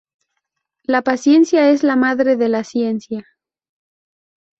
La paciencia es la madre de la ciencia